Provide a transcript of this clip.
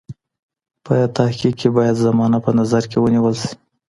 په تحقیق کې باید زمانه په نظر کې ونیول سي.